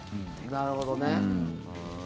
なるほどね。